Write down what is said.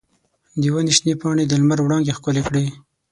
د ونې شنې پاڼې د لمر وړانګې ښکلې کړې.